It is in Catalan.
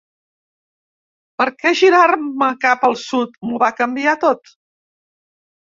Perquè girar-me cap al sud m'ho va canviar tot.